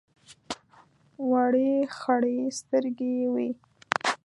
وړې خړې سترګې یې وې.